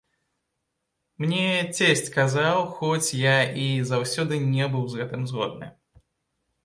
Мне цесць казаў, хоць я і заўсёды не быў з гэтым згодны.